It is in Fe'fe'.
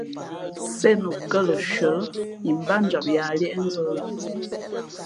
Sēn o kά lα nshʉα lά imbátjam yāā liéʼnzᾱ ?